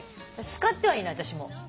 使ってはいない私も。